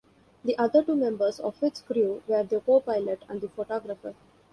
The other two members of its crew were the co-pilot and the photographer.